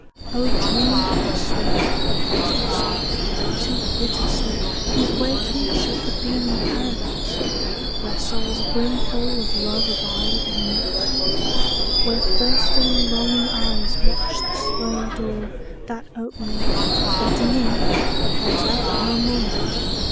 O dream how sweet, too sweet, too bitter sweet, Whose wakening should have been in Paradise, Where souls brimful of love abide and meet; Where thirsting longing eyes Watch the slow door That opening, letting in, lets out no more.